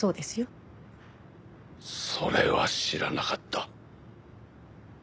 それは知らなかった。